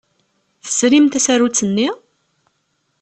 Tesrim tasarut-nni?